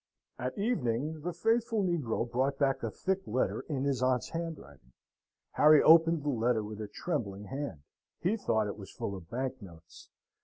At evening the faithful negro brought back a thick letter in his aunt's handwriting. Harry opened the letter with a trembling hand. He thought it was full of bank notes.